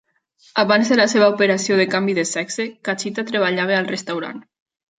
Abans de la seva operació de canvi de sexe, Cachita treballava al restaurant.